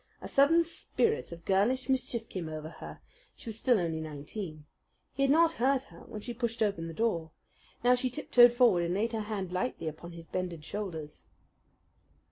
A sudden spirit of girlish mischief came over her she was still only nineteen. He had not heard her when she pushed open the door. Now she tiptoed forward and laid her hand lightly upon his bended shoulders.